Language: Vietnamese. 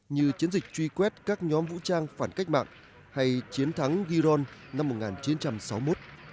như chiến dịch truy quét các nhóm vũ trang phản cách mạng hay chiến thắng giron năm một nghìn chín trăm sáu mươi một